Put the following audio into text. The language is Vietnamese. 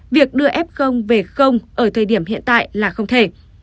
việc đưa f về ở thời điểm hiện tại là không thể